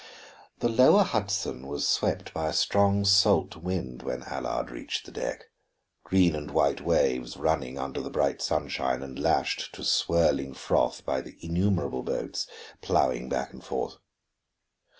The lower Hudson was swept by a strong salt wind when Allard reached the deck, green and white waves running under the bright sunshine and lashed to swirling froth by the innumerable boats plowing back and forth.